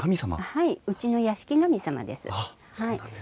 はいうちの屋敷神様です。